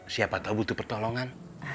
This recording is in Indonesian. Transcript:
siapa tau butuh pertolongan